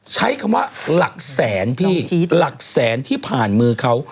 ใช้คำว่าหลักแสนพี่หลักแสนที่ผ่านมือเขา